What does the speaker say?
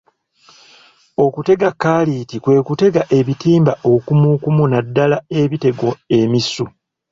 Okutega kaliiti kwe kutega ebitimba okumukumu naddala ebitega emisu.